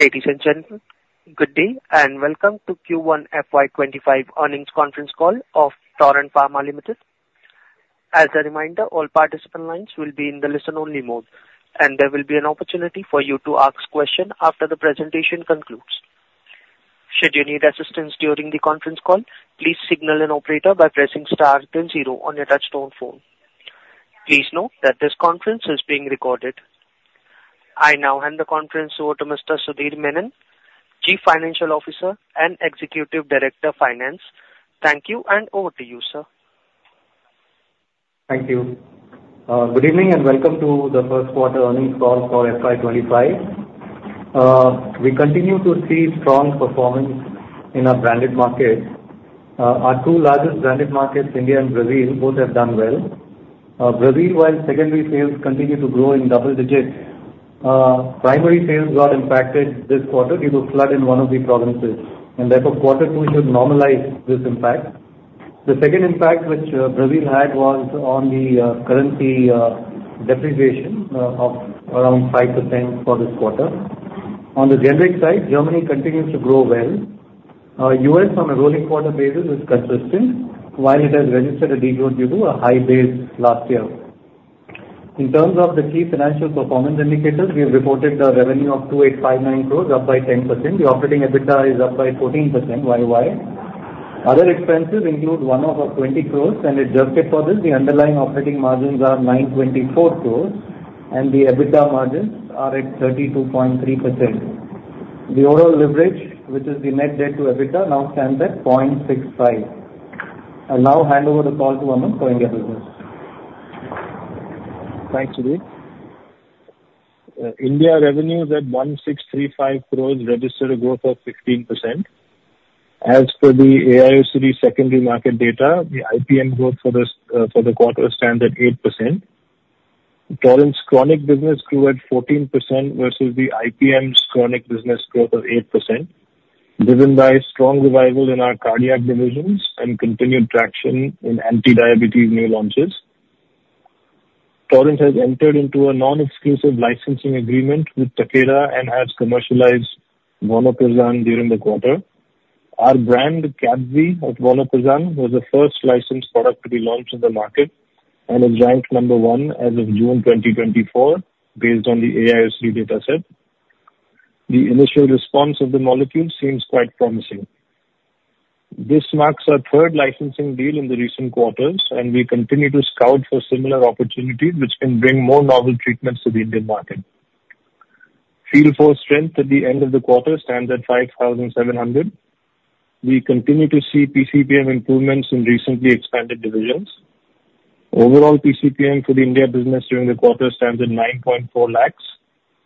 Ladies and gentlemen, good day, and welcome to Q1 FY 2025 Earnings Conference Call of Torrent Pharmaceuticals Limited. As a reminder, all participant lines will be in the listen-only mode, and there will be an opportunity for you to ask questions after the presentation concludes. Should you need assistance during the conference call, please signal an operator by pressing star then zero on your touchtone phone. Please note that this conference is being recorded. I now hand the conference over to Mr. Sudhir Menon, Chief Financial Officer and Executive Director Finance. Thank you, and over to you, sir. Thank you. Good evening, and welcome to the first quarter earnings call for FY 2025. We continue to see strong performance in our branded markets. Our two largest branded markets, India and Brazil, both have done well. Brazil, while secondary sales continue to grow in double digits, primary sales got impacted this quarter due to flood in one of the provinces, and therefore, quarter two should normalize this impact. The second impact which Brazil had was on the currency depreciation of around 5% for this quarter. On the generic side, Germany continues to grow well. U.S. on a rolling quarter basis is consistent, while it has registered a decline due to a high base last year. In terms of the key financial performance indicators, we've reported a revenue of 2,859 crores, up by 10%. The operating EBITDA is up by 14% Y-o-Y. Other expenses include 120 crores, and adjusted for this, the underlying operating margins are 924 crores, and the EBITDA margins are at 32.3%. The overall leverage, which is the net debt to EBITDA, now stands at 0.65x. I'll now hand over the call to Aman for India business. Thanks, Sudhir. India revenues at 1,635 crore registered a growth of 15%. As per the AIOCD secondary market data, the IPM growth for this quarter stands at 8%. Torrent's chronic business grew at 14% versus the IPM's chronic business growth of 8%, driven by strong revival in our cardiac divisions and continued traction in anti-diabetes new launches. Torrent has entered into a non-exclusive licensing agreement with Takeda and has commercialized Vonoprazan during the quarter. Our brand, Kabvie, of Vonoprazan, was the first licensed product to be launched in the market and is ranked number one as of June 2024, based on the AIOCD dataset. The initial response of the molecule seems quite promising. This marks our third licensing deal in the recent quarters, and we continue to scout for similar opportunities, which can bring more novel treatments to the Indian market. Field force strength at the end of the quarter stands at 5,700. We continue to see PCPM improvements in recently expanded divisions. Overall PCPM for the India business during the quarter stands at 9.4 lakhs,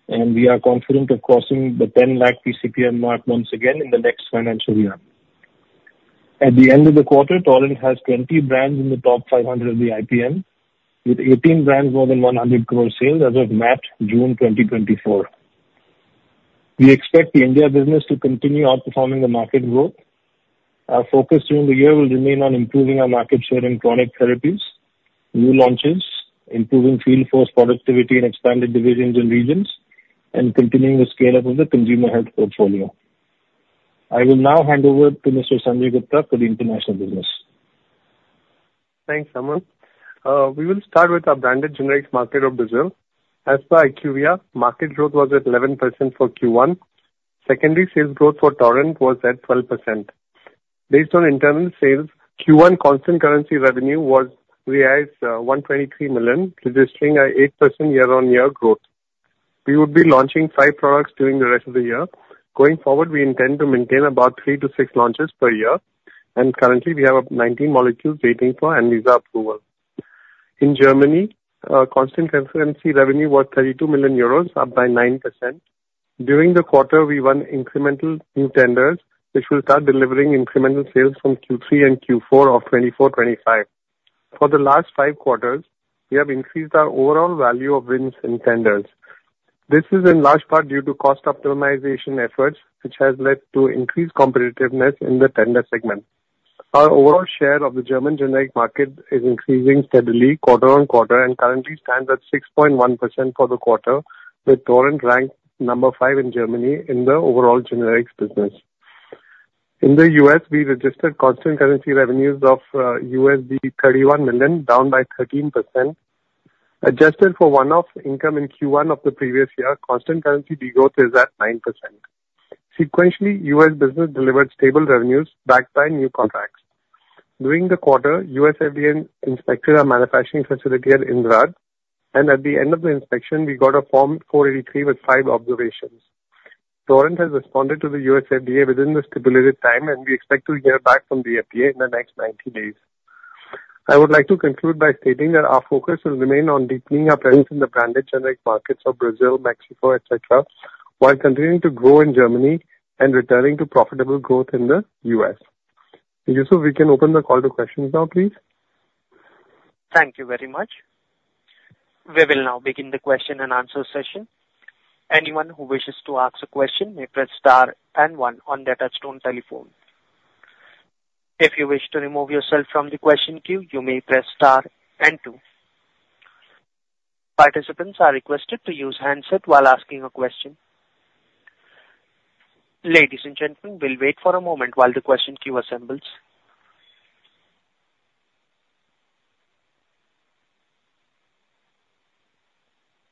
and we are confident of crossing the 10 lakh PCPM mark once again in the next financial year. At the end of the quarter, Torrent has 20 brands in the top 500 of the IPM, with 18 brands more than 100 crore sales as of MAT June 2024. We expect the India business to continue outperforming the market growth. Our focus during the year will remain on improving our market share in chronic therapies, new launches, improving field force productivity in expanded divisions and regions, and continuing the scale-up of the consumer health portfolio. I will now hand over to Mr. Sanjay Gupta for the international business. Thanks, Aman. We will start with our branded generics market of Brazil. As per IQVIA, market growth was at 11% for Q1. Secondary sales growth for Torrent was at 12%. Based on internal sales, Q1 constant currency revenue was realized, $123 million, registering an 8% year-on-year growth. We would be launching five products during the rest of the year. Going forward, we intend to maintain about three-six launches per year, and currently, we have 19 molecules waiting for ANVISA approval. In Germany, constant currency revenue was 32 million euros, up by 9%. During the quarter, we won incremental new tenders, which will start delivering incremental sales from Q3 and Q4 of 2024/2025. For the last 5 quarters, we have increased our overall value of wins in tenders. This is in large part due to cost optimization efforts, which has led to increased competitiveness in the tender segment. Our overall share of the German generic market is increasing steadily quarter on quarter and currently stands at 6.1% for the quarter, with Torrent ranked number five in Germany in the overall generics business. In the U.S., we registered constant currency revenues of $31 million, down by 13%. Adjusted for one-off income in Q1 of the previous year, constant currency degrowth is at 9%. Sequentially, U.S. business delivered stable revenues backed by new contracts. During the quarter, U.S. FDA inspected our manufacturing facility at Indrad, and at the end of the inspection, we got a Form 483 with five observations. Torrent has responded to the U.S. FDA within the stipulated time, and we expect to hear back from the U.S. FDA in the next 90 days. I would like to conclude by stating that our focus will remain on deepening our presence in the branded generic markets of Brazil, Mexico, et cetera, while continuing to grow in Germany and returning to profitable growth in the U.S. Jasu, we can open the call to questions now, please. Thank you very much. We will now begin the question and answer session. Anyone who wishes to ask a question may press star and one on their touchtone telephone. If you wish to remove yourself from the question queue, you may press star and two. Participants are requested to use handset while asking a question. Ladies and gentlemen, we'll wait for a moment while the question queue assembles.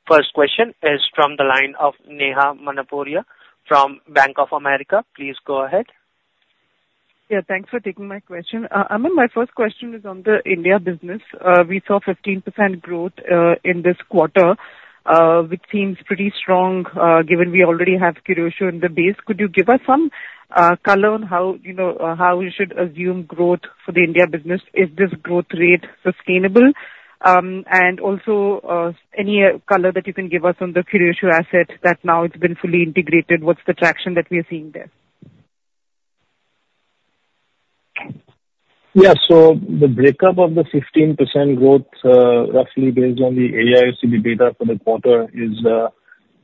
First question is from the line of Neha Manpuria from Bank of America. Please go ahead. Yeah, thanks for taking my question. Aman, my first question is on the India business. We saw 15% growth in this quarter, which seems pretty strong, given we already have Curatio in the base. Could you give us some color on how, you know, how we should assume growth for the India business? Is this growth rate sustainable? And also, any color that you can give us on the Curatio asset that now it's been fully integrated, what's the traction that we are seeing there? Yeah. So the breakup of the 15% growth, roughly based on the AIOCD data for the quarter is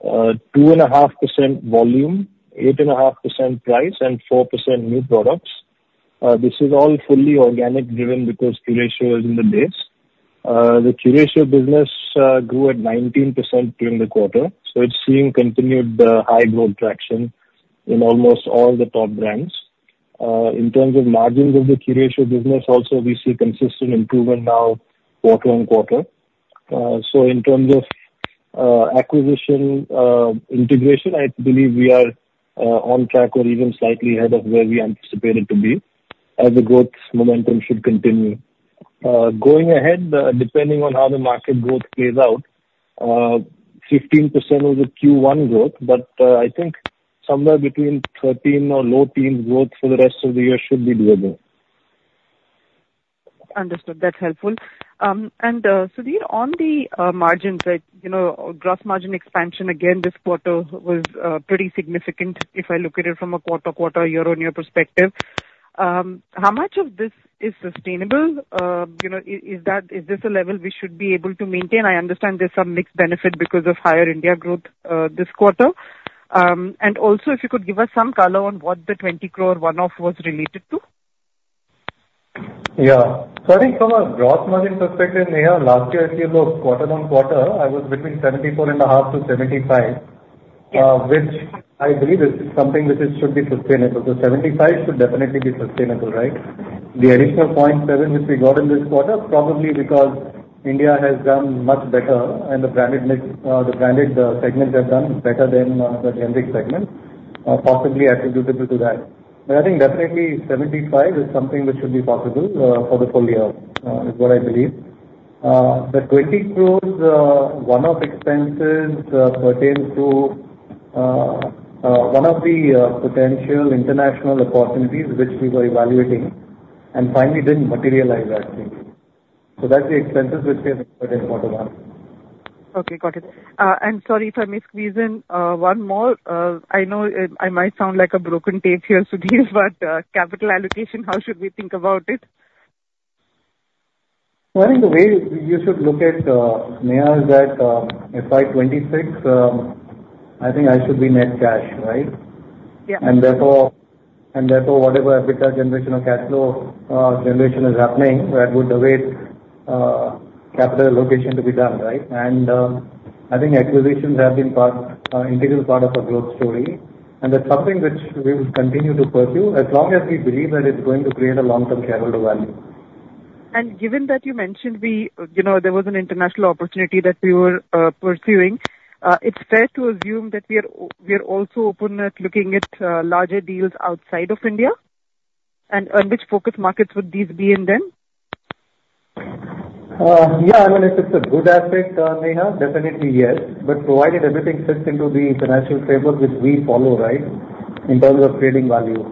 2.5% volume, 8.5% price, and 4% new products. This is all fully organic, driven because Curatio is in the base. The Curatio business grew at 19% during the quarter, so it's seeing continued high growth traction in almost all the top brands. In terms of margins of the Curatio business, also we see consistent improvement now, quarter on quarter. So in terms of acquisition integration, I believe we are on track or even slightly ahead of where we anticipated to be, as the growth momentum should continue. Going ahead, depending on how the market growth plays out, 15% was a Q1 growth, but I think somewhere between 13% or low-teen growth for the rest of the year should be doable. Understood. That's helpful. And, Sudhir, on the, margins, like, you know, gross margin expansion, again, this quarter was, pretty significant, if I look at it from a quarter-over-quarter, year-over-year perspective. How much of this is sustainable? You know, is that - is this a level we should be able to maintain? I understand there's some mixed benefit because of higher India growth, this quarter. And also, if you could give us some color on what the 20 crore one-off was related to. Yeah. So I think from a gross margin perspective, Neha, last year, if you look quarter-on-quarter, I was between 74.5% to 75% which I believe is something which should be sustainable. So 75% should definitely be sustainable, right? The additional 0.7% which we got in this quarter, probably because India has done much better and the branded mix, the branded segments have done better than the generic segments, possibly attributable to that. But I think definitely 75% is something which should be possible for the full year, is what I believe. The 20 crore one-off expenses pertains to one of the potential international opportunities which we were evaluating and finally didn't materialize actually. So that's the expenses which we have incurred in quarter one. Okay, got it. And sorry, if I may squeeze in, one more. I know, I might sound like a broken tape here, Sudhir, but, capital allocation, how should we think about it? Well, I think the way you should look at, Neha, is that, FY 2026, I think I should be net cash, right? Yeah. And therefore, whatever EBITDA generation or cash flow generation is happening, that would await capital allocation to be done, right? And, I think acquisitions have been part, a integral part of our growth story. And that's something which we will continue to pursue, as long as we believe that it's going to create a long-term shareholder value. Given that you mentioned we, you know, there was an international opportunity that we were pursuing, it's fair to assume that we are also open to looking at larger deals outside of India? On which focus markets would these be in then? Yeah, I mean, if it's a good asset, Neha, definitely, yes. But provided everything fits into the financial framework which we follow, right? In terms of creating value.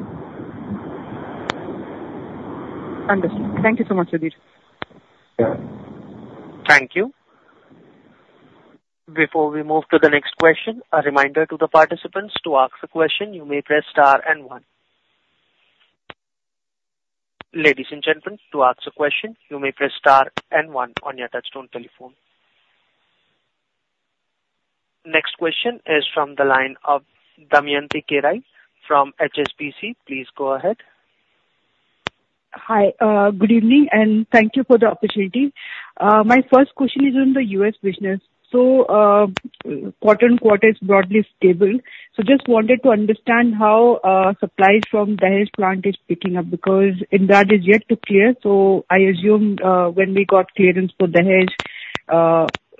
Understood. Thank you so much, Sudhir. Yeah. Thank you. Before we move to the next question, a reminder to the participants, to ask a question, you may press star and one. Ladies and gentlemen, to ask a question, you may press star and one on your touchtone telephone. Next question is from the line of Damayanti Kerai from HSBC. Please go ahead. Hi, good evening, and thank you for the opportunity. My first question is on the U.S. business. So, quarter-on-quarter is broadly stable. So just wanted to understand how supplies from the Dahej plant is picking up, because Indore is yet to clear. So I assumed, when we got clearance for Dahej,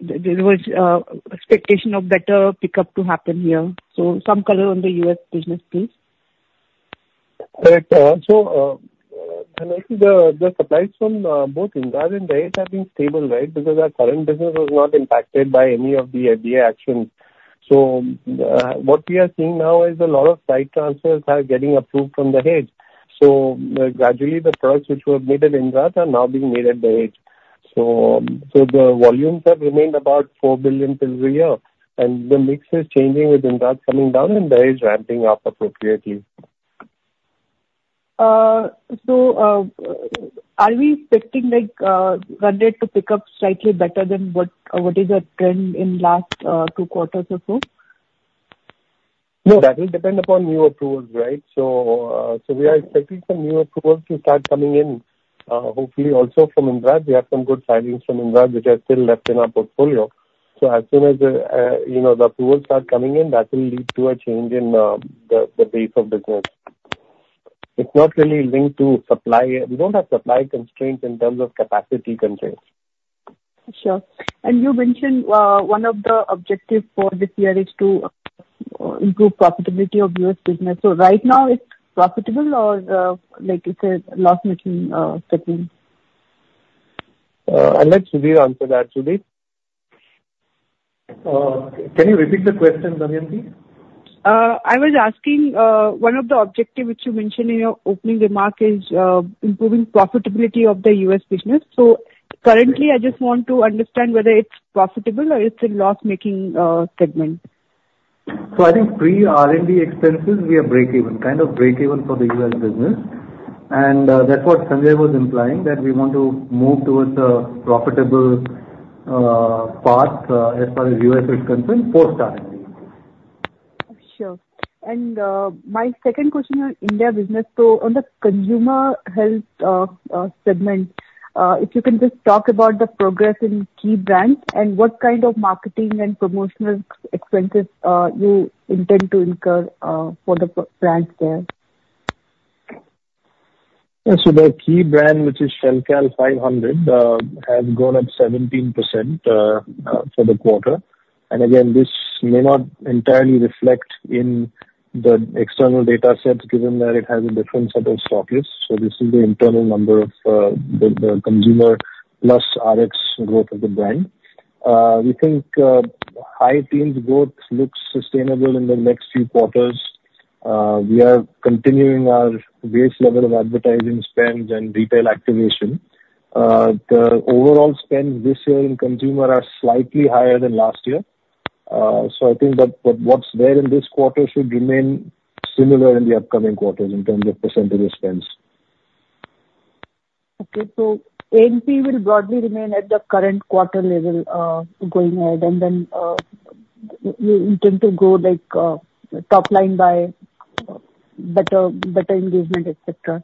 there was expectation of better pickup to happen here. So some color on the U.S. business, please. Right, so, the supplies from both Indore and Dahej have been stable, right? Because our current business was not impacted by any of the FDA actions. So what we are seeing now is a lot of site transfers are getting approved from Dahej. So gradually, the products which were made in Indore are now being made at Dahej. So the volumes have remained about 4 billion pills a year, and the mix is changing, with Indore coming down and Dahej is ramping up appropriately. So, are we expecting, like, run rate to pick up slightly better than what is your trend in last two quarters or so? No, that will depend upon new approvals, right? So, we are expecting some new approvals to start coming in, hopefully also from India. We have some good filings from India, which are still left in our portfolio. So as soon as the, you know, the approvals start coming in, that will lead to a change in the base of business. It's not really linked to supply. We don't have supply constraints in terms of capacity constraints. Sure. You mentioned one of the objective for this year is to improve profitability of U.S. business. Right now it's profitable or, like you said, loss-making segment? I'll let Sudhir answer that. Sudhir? Can you repeat the question, Damayanti? I was asking, one of the objective which you mentioned in your opening remark is, improving profitability of the U.S. business. So currently, I just want to understand whether it's profitable or it's a loss-making segment? I think pre-R&D expenses, we are break even, kind of break even for the U.S. business. That's what Sanjay was implying, that we want to move towards a profitable path, as far as U.S. is concerned, post R&D. Sure. And, my second question on India business. So on the consumer health segment, if you can just talk about the progress in key brands and what kind of marketing and promotional expenses you intend to incur for the brands there? Yeah. So the key brand, which is Shelcal 500, has grown at 17%, for the quarter. And again, this may not entirely reflect in the external data sets, given that it has a different set of stockists. So this is the internal number of the consumer plus RX growth of the brand. We think high teens growth looks sustainable in the next few quarters. We are continuing our base level of advertising spends and retail activation. The overall spends this year in consumer are slightly higher than last year. So I think that what's there in this quarter should remain similar in the upcoming quarters in terms of percentage spends. Okay. So A&P will broadly remain at the current quarter level, going ahead, and then, you intend to grow, like, top line by better, better engagement, et cetera?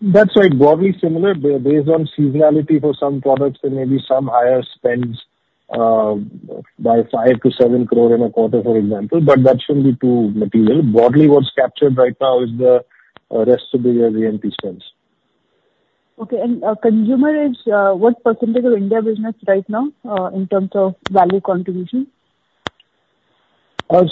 That's right. Broadly similar, based on seasonality for some products, there may be some higher spends by 5 crore-7 crore in a quarter, for example, but that shouldn't be too material. Broadly, what's captured right now is the rest of the year A&P spends. Okay. And consumer is what percentage of India business right now, in terms of value contribution?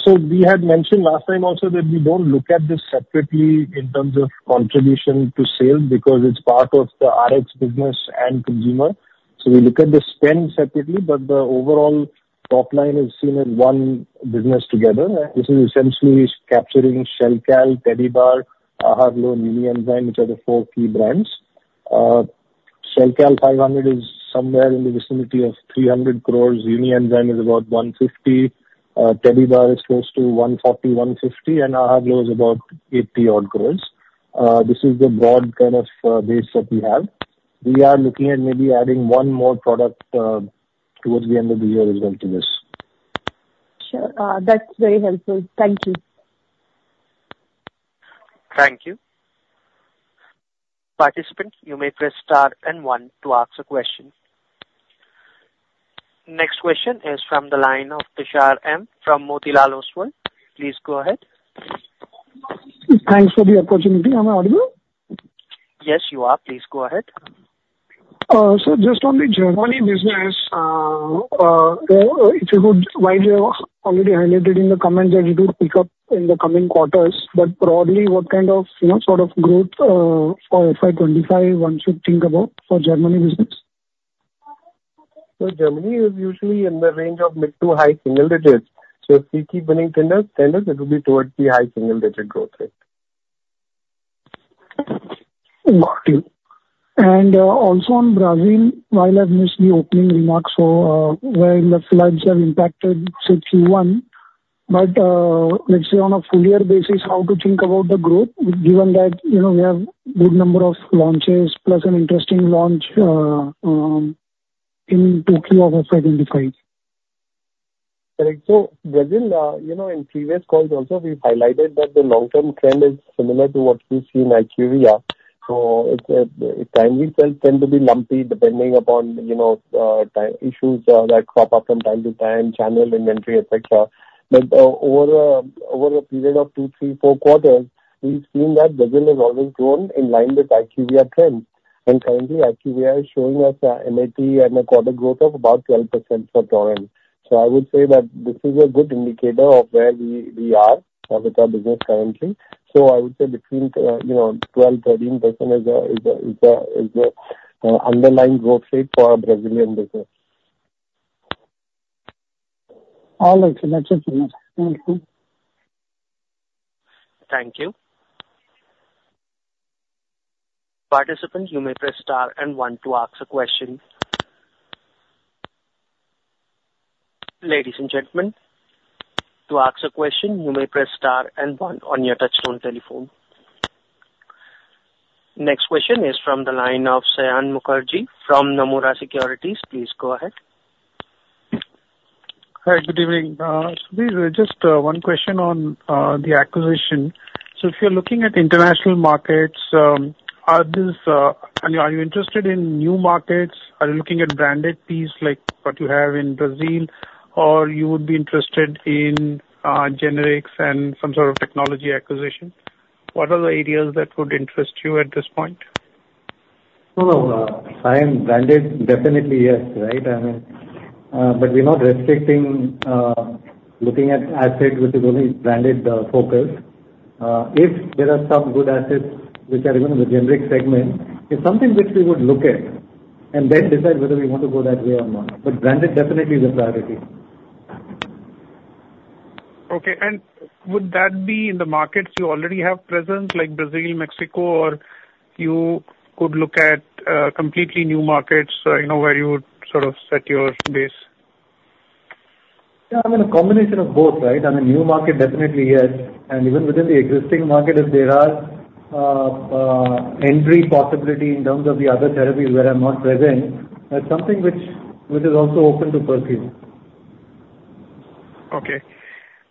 So we had mentioned last time also that we don't look at this separately in terms of contribution to sales, because it's part of the RX business and consumer. So we look at the spend separately, but the overall top line is seen as one business together. And this is essentially capturing Shelcal, Tedibar, Ahaglow and Unienzyme, which are the four key brands. Shelcal 500 is somewhere in the vicinity of 300 crores. Unienzyme is about 150 crores, Tedibar is close to 140 crores, 150 crores, and Ahaglow is about 80 crores-odd. This is the broad kind of base that we have. We are looking at maybe adding one more product towards the end of the year relevant to this. Sure. That's very helpful. Thank you. Thank you. Participants, you may press star and one to ask a question. Next question is from the line of Tushar M. from Motilal Oswal. Please go ahead. Thanks for the opportunity. Am I audible? Yes, you are. Please go ahead. Just on the Germany business, if you could, while you have already highlighted in the comments that it will pick up in the coming quarters, but broadly, what kind of, you know, sort of growth for FY 2025 one should think about for Germany business? Germany is usually in the range of mid to high single digits. If we keep getting trends, it will be towards the high single digit growth rate. Got you. And, also on Brazil, while I missed the opening remarks, so, where the floods have impacted say Q1, but, let's say on a full year basis, how to think about the growth, given that, you know, we have good number of launches, plus an interesting launch, in totally off FY 2025? Correct. So Brazil, you know, in previous calls also, we've highlighted that the long-term trend is similar to what we see in IQVIA. So it, timely sales tend to be lumpy, depending upon, you know, timing issues, that crop up from time to time, channel inventory, et cetera. But, over a, over a period of two, three, four quarters, we've seen that Brazil has always grown in line with IQVIA trends. And currently, IQVIA is showing us a MAT and a quarter growth of about 12% for Torrent. So I would say that this is a good indicator of where we, we are with our business currently. So I would say between, you know, 12, 13% is a underlying growth rate for our Brazilian business. All right. That's clear. Thank you. Thank you. Participants, you may press star and one to ask a question. Ladies and gentlemen, to ask a question, you may press star and one on your touchtone telephone. Next question is from the line of Saion Mukherjee from Nomura Securities. Please go ahead. Hi, good evening. So we've just one question on the acquisition. So if you're looking at international markets, I mean, are you interested in new markets? Are you looking at branded piece, like what you have in Brazil? Or you would be interested in generics and some sort of technology acquisition? What are the areas that would interest you at this point? Saion, branded, definitely yes, right? I mean, but we're not restricting, looking at asset which is only branded, focused. If there are some good assets which are even in the generic segment, it's something which we would look at and then decide whether we want to go that way or not, but branded definitely is a priority. Okay. And would that be in the markets you already have presence, like Brazil, Mexico, or you could look at, completely new markets, you know, where you would sort of set your base? Yeah, I mean, a combination of both, right? I mean, new market, definitely yes, and even within the existing market, if there are entry possibility in terms of the other therapies where I'm not present, that's something which is also open to pursue. Okay.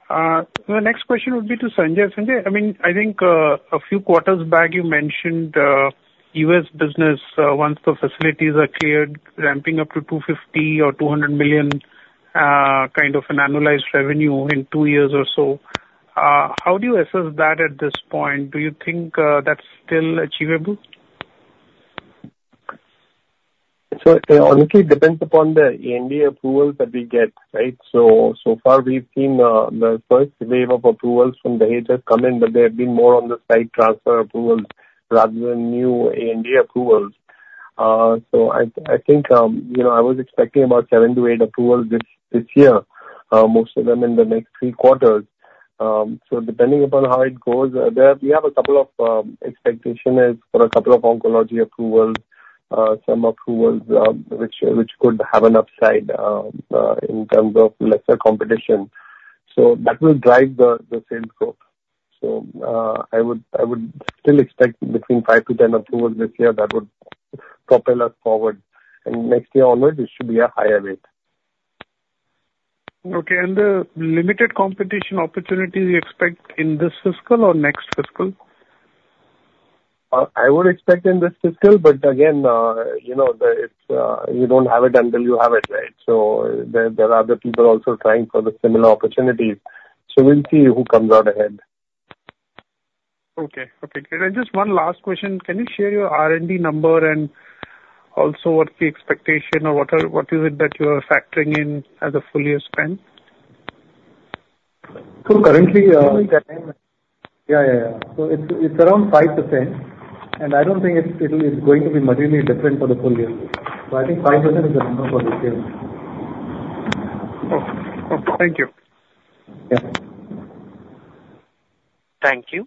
My next question would be to Sanjay. Sanjay, I mean, I think a few quarters back, you mentioned U.S. business once the facilities are cleared, ramping up to $250 million or $200 million kind of an annualized revenue in two years or so. How do you assess that at this point? Do you think that's still achievable? So it honestly depends upon the NDA approvals that we get, right? So, so far, we've seen the first wave of approvals from the U.S. FDA come in, but they have been more on the site transfer approvals rather than new NDA approvals. So I think, you know, I was expecting about seven-eight approvals this year, most of them in the next three quarters. So depending upon how it goes, there we have a couple of expectation is for a couple of oncology approvals, some approvals, which could have an upside in terms of lesser competition. So that will drive the sales growth. So I would still expect between 5-10 approvals this year that would propel us forward, and next year onward, it should be a higher rate. Okay, and the limited competition opportunities you expect in this fiscal or next fiscal? I would expect in this fiscal, but again, you know, it's, you don't have it until you have it, right? So there are other people also trying for the similar opportunities. So we'll see who comes out ahead. Okay, great. Just one last question. Can you share your R&D number and also what's the expectation or what are, what is it that you are factoring in as a full year spend? So currently, it's around 5%, and I don't think it is going to be materially different for the full year. So I think 5% is the number for this year. Okay. Thank you. Yeah. Thank you.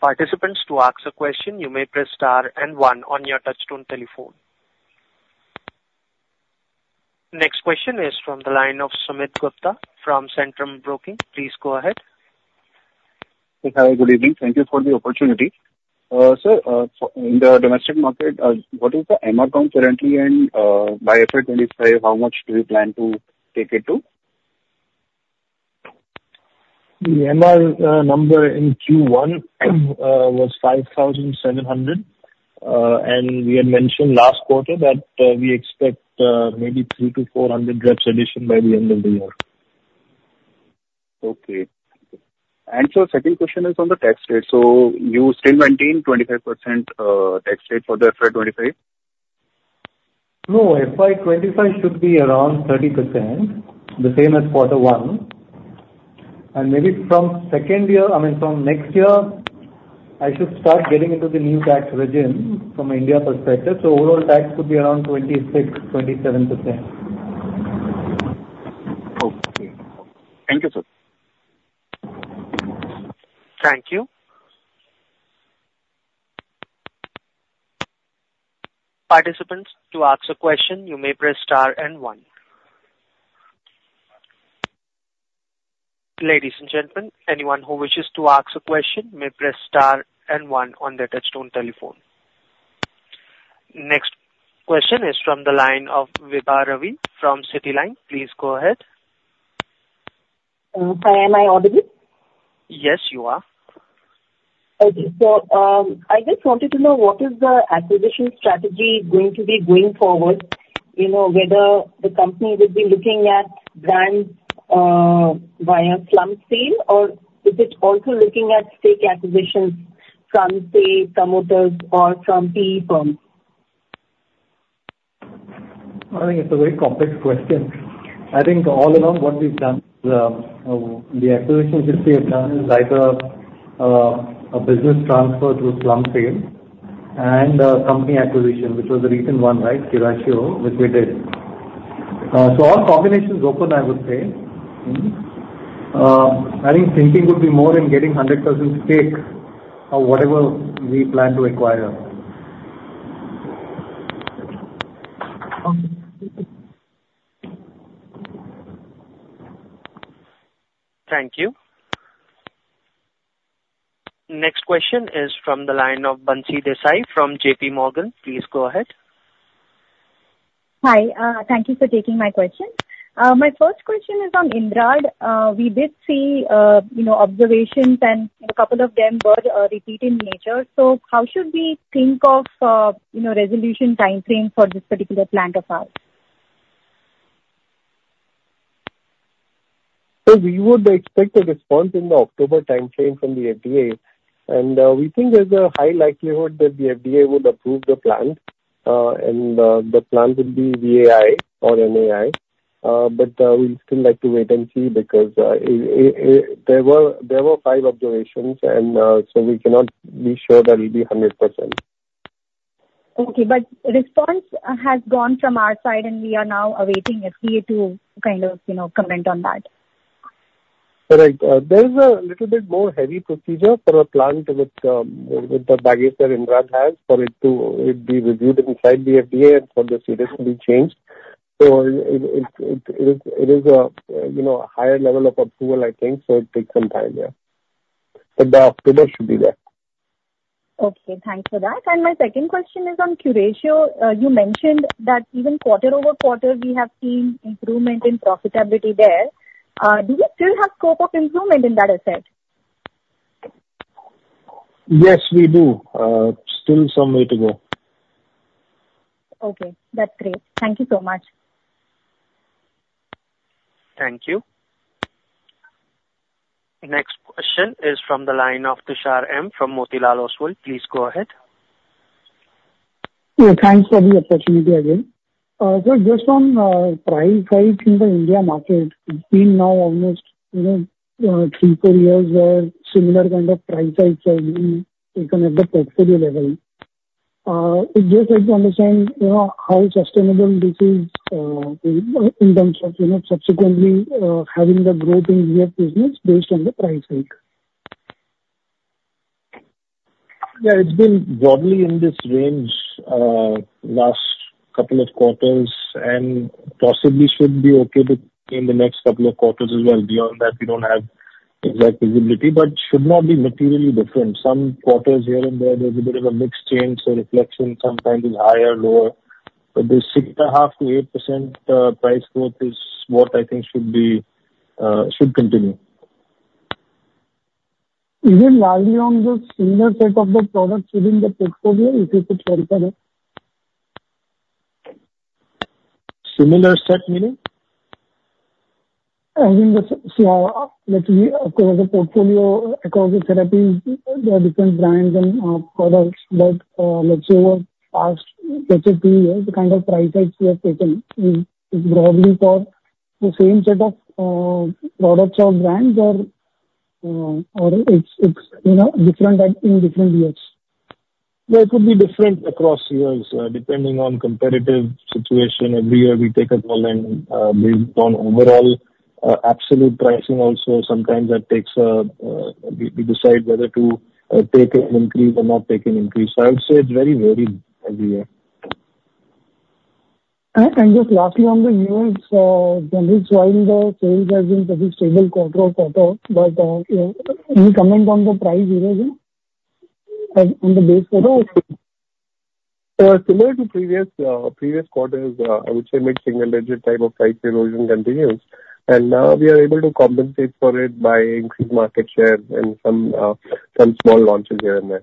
Participants, to ask a question, you may press star and one on your touchtone telephone. Next question is from the line of Sumit Gupta from Centrum Broking. Please go ahead. Hi, good evening. Thank you for the opportunity. Sir, so in the domestic market, what is the MR count currently and, by FY 2025, how much do you plan to take it to? The MR number in Q1 was 5,700, and we had mentioned last quarter that we expect maybe 300-400 reps addition by the end of the year. Okay. And so second question is on the tax rate. So you still maintain 25% tax rate for the FY 2025? No, FY 2025 should be around 30%, the same as quarter one. And maybe from second year, I mean, from next year, I should start getting into the new tax regime from India perspective, so overall tax should be around 26%-27%. Okay. Thank you, sir. Thank you. Participants, to ask a question, you may press star and one. Ladies and gentlemen, anyone who wishes to ask a question may press star and one on their touchtone telephone. Next question is from the line of Vibha Ravi from Citeline. Please go ahead. Hi, am I audible? Yes, you are. Okay. So, I just wanted to know what is the acquisition strategy going to be going forward, you know, whether the company will be looking at brands, via slump sale, or is it also looking at stake acquisitions from, say, promoters or from PE firms? I think it's a very complex question. I think all along what we've done, the acquisitions which we have done is either, a business transfer through slump sale and, company acquisition, which was the recent one, right, Curatio, which we did. So all combinations open, I would say. Mm-hmm. I think thinking would be more in getting 100% stake of whatever we plan to acquire. Thank you. Next question is from the line of Bansi Desai from JPMorgan. Please go ahead. Hi, thank you for taking my question. My first question is on Indrad. We did see, you know, observations, and a couple of them were repeat in nature. So how should we think of, you know, resolution timeframe for this particular plant of ours? So we would expect a response in the October timeframe from the FDA, and we think there's a high likelihood that the FDA would approve the plant, and the plant would be VAI or NAI. But we'd still like to wait and see, because there were five observations, and so we cannot be sure that it'll be 100%. Okay, but response has gone from our side, and we are now awaiting FDA to kind of, you know, comment on that. Correct. There is a little bit more heavy procedure for a plant with the baggage that Indrad has for it to be reviewed inside the FDA and for the OAI to be changed. So it is, you know, a higher level of approval, I think, so it takes some time, yeah. But by October should be there. Okay, thanks for that. My second question is on Curatio. You mentioned that even quarter-over-quarter, we have seen improvement in profitability there. Do we still have scope of improvement in that asset? Yes, we do. Still some way to go. Okay, that's great. Thank you so much. Thank you. Next question is from the line of Tushar M. from Motilal Oswal. Please go ahead. Yeah, thanks for the opportunity again. So just on price hike in the India market, it's been now almost, you know, three, four years where similar kind of price hikes are being taken at the portfolio level. We just like to understand, you know, how sustainable this is, in terms of, you know, subsequently having the growth in your business based on the price hike. Yeah, it's been broadly in this range last couple of quarters, and possibly should be okay too in the next couple of quarters as well. Beyond that, we don't have exact visibility, but should not be materially different. Some quarters here and there, there's a bit of a mix change, so reflection sometimes is higher or lower, but the 6.5%-8% price growth is what I think should be should continue. Even largely on the similar set of the products within the portfolio, if you could clarify? Similar set, meaning? So, let's say, across the portfolio, across the therapies, there are different brands and products that, let's say, over the past two, three years, the kind of price hikes you have taken is broadly for the same set of products or brands, or it's, you know, different in different years. Yeah, it could be different across years. Depending on competitive situation, every year we take a call and, based on overall, absolute pricing also, sometimes that takes a--we decide whether to take an increase or not take an increase. So I would say it's very varied every year. Just lastly on the U.S., generally while the sales has been pretty stable quarter-over-quarter, but any comment on the price erosion on the base quarter? Similar to previous quarters, I would say mid-single digit type of price erosion continues, and we are able to compensate for it by increased market share and some small launches here and there.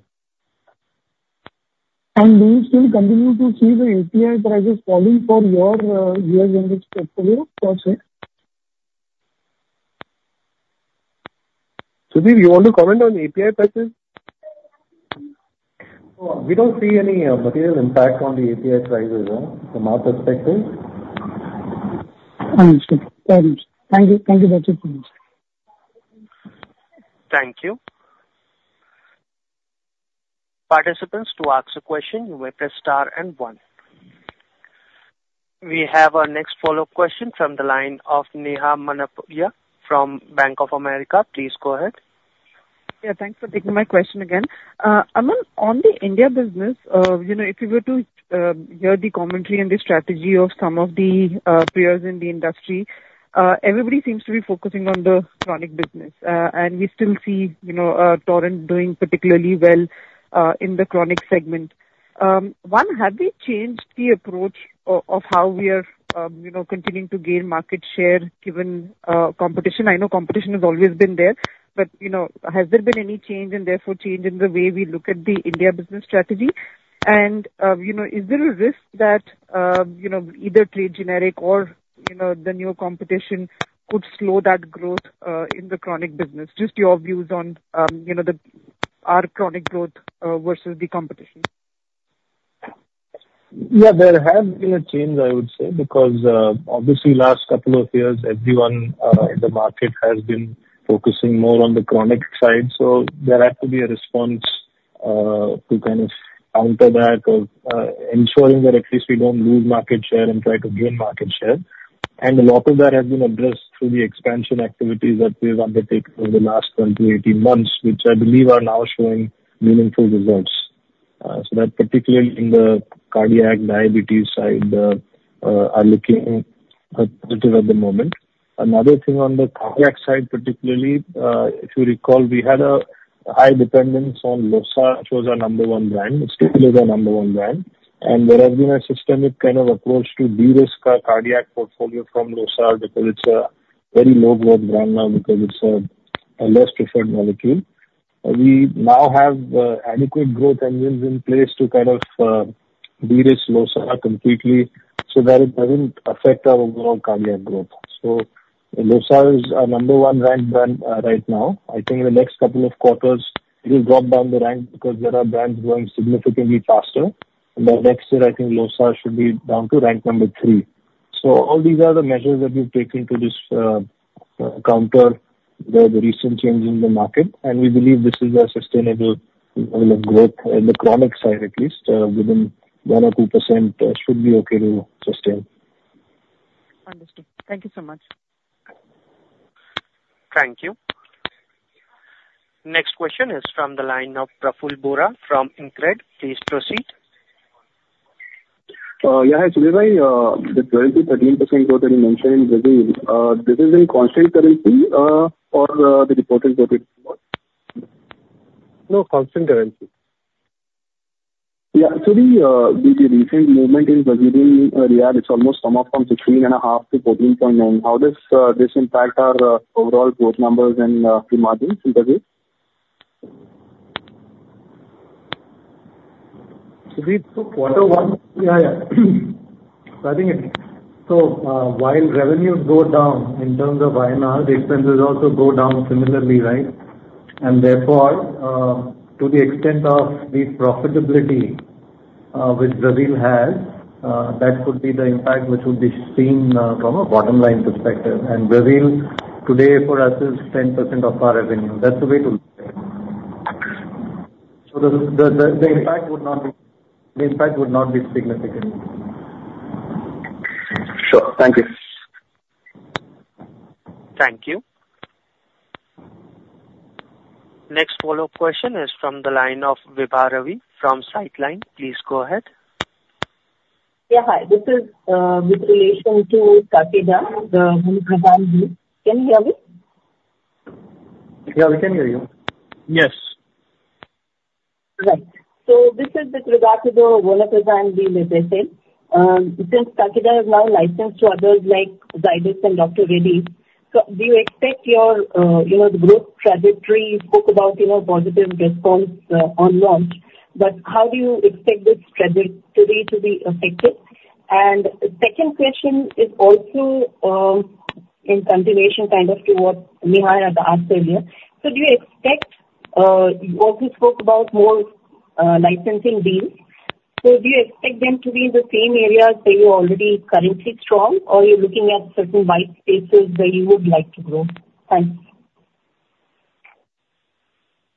Do you still continue to see the API prices falling for your U.S. generic portfolio, per se? Sudhir, you want to comment on API prices? We don't see any material impact on the API prices from our perspective. Understood. Thank you. Thank you very much. Thank you. Participants, to ask a question, you may press star and one. We have our next follow-up question from the line of Neha Manpuria from Bank of America. Please go ahead. Yeah, thanks for taking my question again. Aman, on the India business, you know, if you were to hear the commentary and the strategy of some of the peers in the industry, everybody seems to be focusing on the chronic business. And we still see, you know, Torrent doing particularly well in the chronic segment. One, have we changed the approach of how we are, you know, continuing to gain market share, given competition? I know competition has always been there, but, you know, has there been any change and therefore change in the way we look at the India business strategy? And, you know, is there a risk that, you know, either trade generic or, you know, the new competition could slow that growth in the chronic business? Just your views on, you know, our chronic growth versus the competition. Yeah, there has been a change, I would say, because obviously last couple of years, everyone in the market has been focusing more on the chronic side. So there had to be a response to kind of counter that or ensuring that at least we don't lose market share and try to gain market share. And a lot of that has been addressed through the expansion activities that we've undertaken over the last 12 to 18 months, which I believe are now showing meaningful results. So that particularly in the cardiac, diabetes side are looking at positive at the moment. Another thing on the cardiac side, particularly, if you recall, we had a high dependence on Losar, which was our number one brand. It's still our number one brand, and there has been a systemic kind of approach to de-risk our cardiac portfolio from Losar, because it's a very low growth brand now, because it's a less preferred molecule. We now have adequate growth engines in place to kind of de-risk Losar completely so that it doesn't affect our overall cardiac growth. So Losar is our number one ranked brand right now. I think in the next couple of quarters, it will drop down the rank because there are brands growing significantly faster, and by next year, I think Losar should be down to rank number three. So all these are the measures that we've taken to counter the recent change in the market, and we believe this is a sustainable rate of growth in the chronic side, at least within 1% or 2%, should be okay to sustain. Understood. Thank you so much. Thank you. Next question is from the line of Praful Bohra from InCred. Please proceed. Yeah, hi, Sudhir bhai, the 12%-13% growth that you mentioned in Brazil, this is in constant currency, or the reported growth? No, constant currency. Yeah, actually, with the recent movement in Brazilian real, it's almost come up from 16.5% to 14.9%. How does this impact our overall growth numbers and key margins in Brazil? So, while revenues go down in terms of IMR, the expenses also go down similarly, right? And therefore, to the extent of the profitability, which Brazil has, that could be the impact which would be seen from a bottom-line perspective. And Brazil, today, for us, is 10% of our revenue. That's the way to look at it. So the impact would not be significant. Sure. Thank you. Thank you. Next follow-up question is from the line of Vibha Ravi from Citeline. Please go ahead. Yeah, hi. This is with relation to Takeda, the Vonoprazan deal. Can you hear me? Yeah, we can hear you. Yes. Right. So this is with regard to the Vonoprazan deal with Kabvie. Since Takeda is now licensed to others like Zydus and Dr. Reddy's, so do you expect your, you know, the growth trajectory, you spoke about, you know, positive response on launch, but how do you expect this trajectory to be affected? And second question is also, in continuation kind of to what Neha had asked earlier. So do you expect, you also spoke about more licensing deals. So do you expect them to be in the same areas where you're already currently strong, or you're looking at certain white spaces where you would like to grow? Thanks.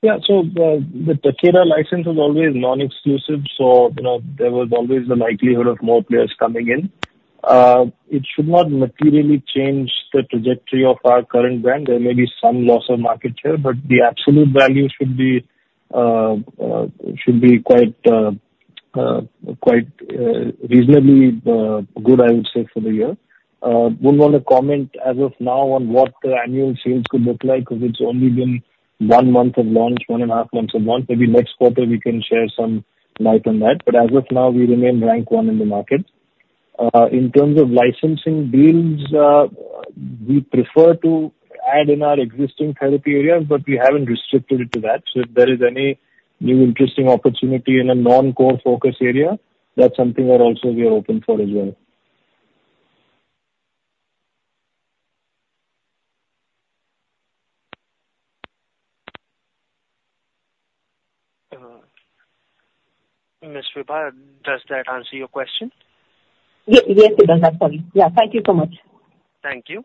Yeah. So the Takeda license was always non-exclusive, so, you know, there was always the likelihood of more players coming in. It should not materially change the trajectory of our current brand. There may be some loss of market share, but the absolute value should be quite reasonably good, I would say, for the year. Wouldn't want to comment as of now on what the annual sales could look like, because it's only been one month of launch, one and a half months of launch. Maybe next quarter, we can share some light on that, but as of now, we remain rank one in the market. In terms of licensing deals, we prefer to add in our existing therapy areas, but we haven't restricted it to that. If there is any new interesting opportunity in a non-core focus area, that's something that also we are open for as well. Ms. Vibha, does that answer your question? Yes, it does. Absolutely. Yeah. Thank you so much. Thank you.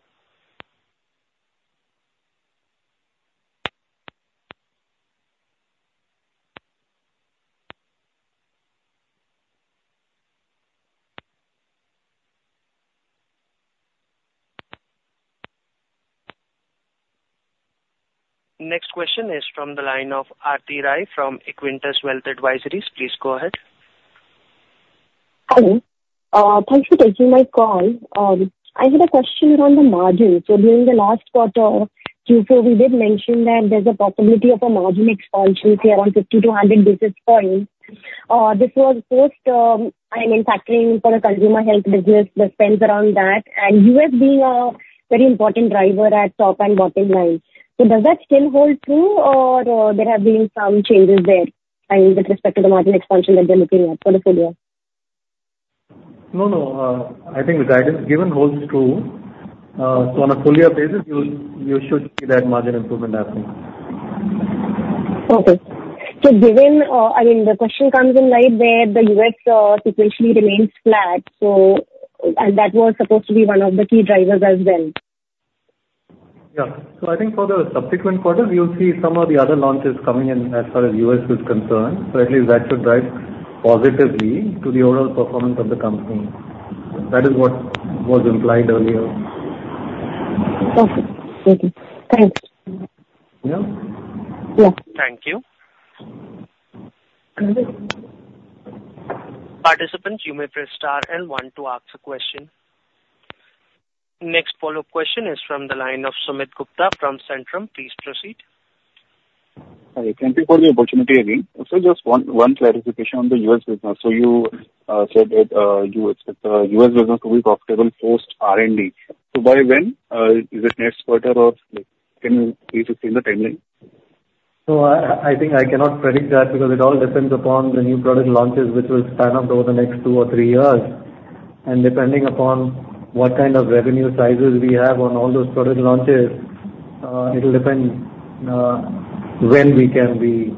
Next question is from the line of Aarti Rai from Equirus Wealth Advisories. Please go ahead. Hello. Thanks for taking my call. I had a question on the margin. So during the last quarter, Q4, we did mention that there's a possibility of a margin expansion say around 50-100 basis points. This was post, I mean, factoring for the consumer health business that spends around that, and U.S. being a very important driver at top and bottom line. So does that still hold true, or, there have been some changes there, I mean, with respect to the margin expansion that you're looking at for the full year? No, no. I think the guidance given holds true. So on a full year basis, you should see that margin improvement happening. Okay. So given, I mean, the question comes in light where the U.S. sequentially remains flat, so, and that was supposed to be one of the key drivers as well. Yeah. I think for the subsequent quarters, you'll see some of the other launches coming in as far as U.S. is concerned. At least that should drive positively to the overall performance of the company. That is what was implied earlier. Perfect. Thank you. Yeah? Yeah. Thank you. Participants, you may press star and one to ask a question. Next follow-up question is from the line of Sumit Gupta from Centrum. Please proceed. Hi. Thank you for the opportunity again. So just one clarification on the U.S. business. So you said that you expect U.S. business to be profitable post R&D. So by when? Is it next quarter, or can you please explain the timeline? So I think I cannot predict that, because it all depends upon the new product launches, which will span out over the next two or three years. And depending upon what kind of revenue sizes we have on all those product launches, it'll depend, when we can be,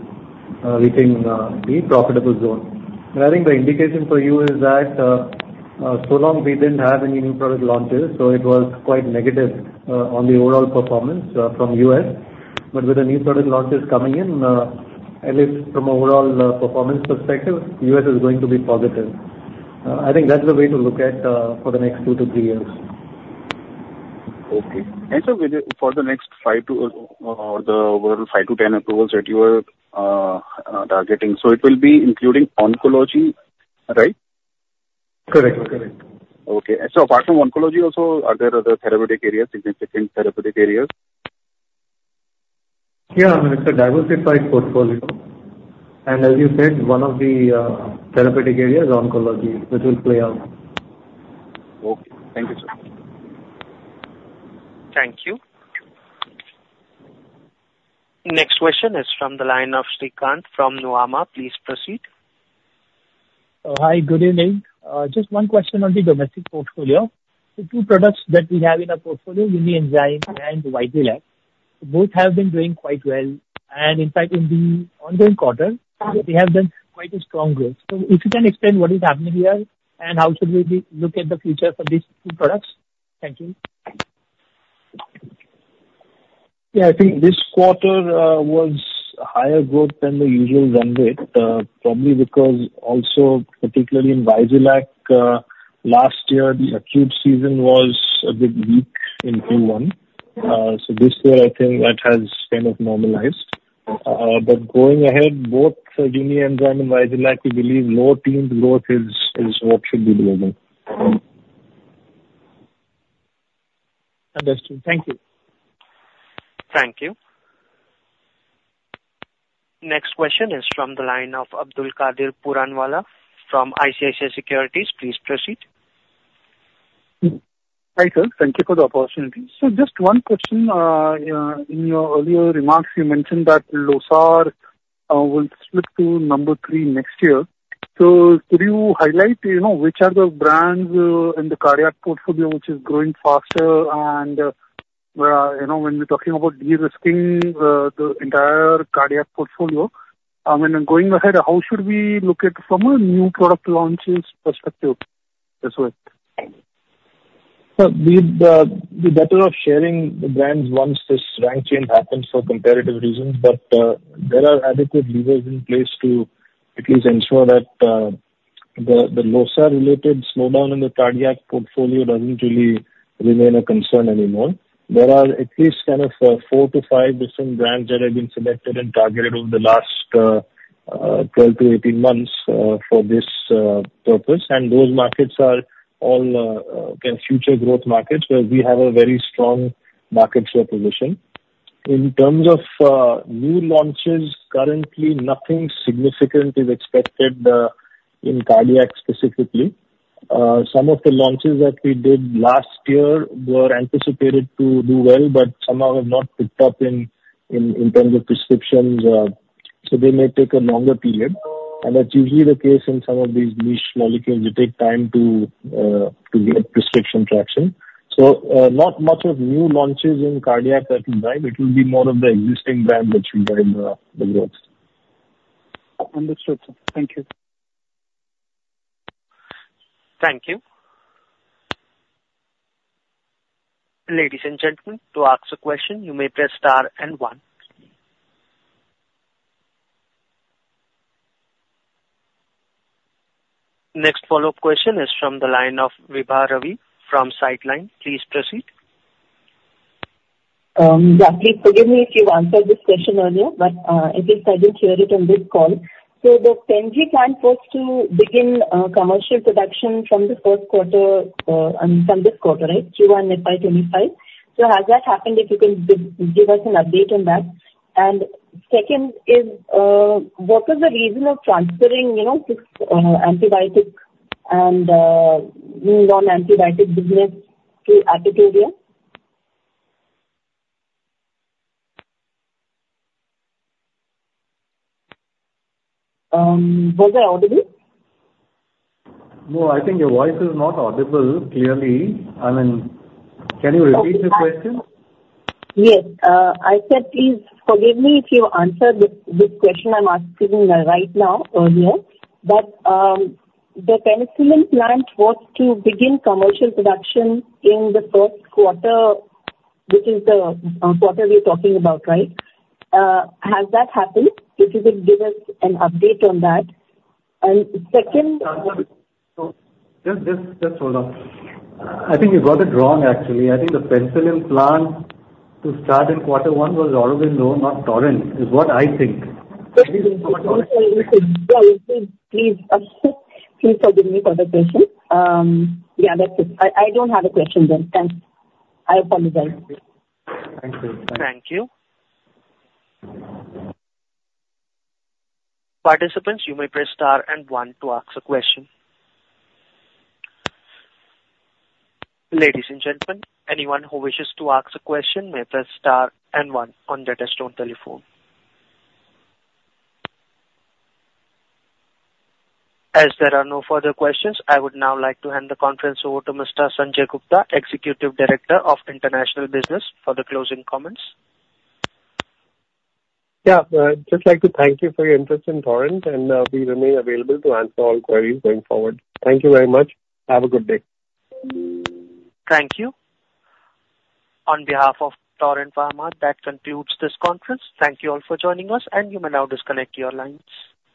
within, the profitable zone. And I think the indication for you is that, so long we didn't have any new product launches, so it was quite negative, on the overall performance, from U.S. But with the new product launches coming in, at least from overall, performance perspective, U.S. is going to be positive. I think that's the way to look at, for the next two to three years. Okay. And so with the, for the next five to, or the overall 5-10 approvals that you are targeting, so it will be including oncology, right? Correct, correct. Okay. Apart from oncology, also, are there other therapeutic areas, significant therapeutic areas? Yeah, I mean, it's a diversified portfolio, and as you said, one of the therapeutic areas is oncology, which will play out. Okay. Thank you, sir. Thank you. Next question is from the line of Srikanth from Nuvama. Please proceed. Hi, good evening. Just one question on the domestic portfolio. The two products that we have in our portfolio, Unienzyme and Vizylac, both have been doing quite well, and in fact, in the ongoing quarter, they have done quite a strong growth. So if you can explain what is happening here, and how should we look at the future for these two products? Thank you. Yeah, I think this quarter was higher growth than the usual run rate, probably because also particularly in Vizylac, last year, the acute season was a bit weak in Q1. So this year, I think that has kind of normalized. But going ahead, both Unienzyme and Vizylac, we believe low teens growth is, is what should be doable. Understood. Thank you. Thank you. Next question is from the line of Abdulkader Puranwala from ICICI Securities. Please proceed. Hi, sir. Thank you for the opportunity. So just one question. In your earlier remarks, you mentioned that Losar will slip to number three next year. So could you highlight, you know, which are the brands in the cardiac portfolio which is growing faster? And, you know, when we're talking about de-risking the entire cardiac portfolio, I mean, and going ahead, how should we look at from a new product launches perspective as well? Well, we'd be better off sharing the brands once this rank change happens for competitive reasons, but there are adequate levers in place to at least ensure that the Losar-related slowdown in the cardiac portfolio doesn't really remain a concern anymore. There are at least kind of four-five different brands that have been selected and targeted over the last 12-18 months for this purpose. Those markets are all kind of future growth markets, where we have a very strong market share position. In terms of new launches, currently, nothing significant is expected in cardiac specifically. Some of the launches that we did last year were anticipated to do well, but somehow have not picked up in terms of prescriptions, so they may take a longer period. That's usually the case in some of these niche molecules. They take time to get prescription traction. So, not much of new launches in cardiac at the time. It will be more of the existing brand which will drive the growth. Understood, sir. Thank you. Thank you. Ladies and gentlemen, to ask a question, you may press star and one. Next follow-up question is from the line of Vibha Ravi from Citeline. Please proceed. Yeah, please forgive me if you've answered this question earlier, but at least I didn't hear it on this call. So the Pen G plan was to begin commercial production from the first quarter from this quarter, right? Q1, FY 2025. So has that happened? If you can give, give us an update on that. And second is, what is the reason of transferring, you know, this, antibiotic and non-antibiotic business to Aurobindo? Was I audible? No, I think your voice is not audible clearly. I mean, can you repeat the question? Yes. I said please forgive me if you answered this, this question I'm asking, right now, earlier. But, the Penicillin plant was to begin commercial production in the first quarter, which is the quarter we're talking about, right? Has that happened? If you could give us an update on that. And second-- Just hold on. I think you got it wrong, actually. I think the Penicillin plant to start in quarter one was Aurobindo, not Torrent, is what I think. Yeah, please, please forgive me for the question. Yeah, that's it. I, I don't have a question then. Thanks. I apologize. Thank you. Thank you. Participants, you may press star and one to ask a question. Ladies and gentlemen, anyone who wishes to ask a question may press star and one on their telephone. As there are no further questions, I would now like to hand the conference over to Mr. Sanjay Gupta, Executive Director, International Business, for the closing comments. Yeah, just like to thank you for your interest in Torrent, and, we remain available to answer all queries going forward. Thank you very much. Have a good day. Thank you. On behalf of Torrent Pharma, that concludes this conference. Thank you all for joining us, and you may now disconnect your lines.